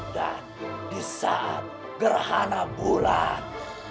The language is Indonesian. dan di saat gerhana bulan